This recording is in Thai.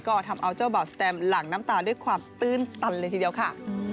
ก็ทำเอาเจ้าบ่าวสแตมหลั่งน้ำตาด้วยความตื้นตันเลยทีเดียวค่ะ